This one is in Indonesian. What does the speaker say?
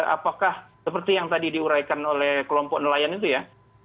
apakah seperti yang tadi diuraikan oleh kelompok nelayan itu ya